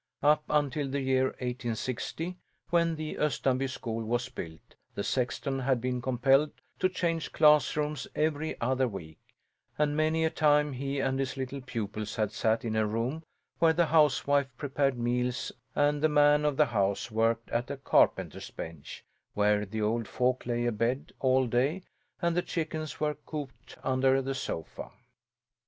Up until the year 1860, when the Östanby school was built, the sexton had been compelled to change classrooms every other week, and many a time he and his little pupils had sat in a room where the housewife prepared meals and the man of the house worked at a carpenter's bench; where the old folk lay abed all day and the chickens were cooped under the sofa.